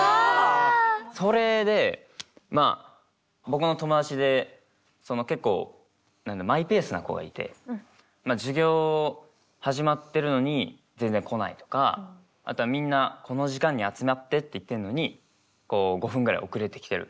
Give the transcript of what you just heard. それでまあ僕の友達で結構マイペースな子がいて授業始まってるのに全然来ないとかあとはみんなこの時間に集まってって言ってるのに５分ぐらい遅れてきてる。